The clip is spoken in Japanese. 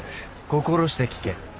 心して聞け。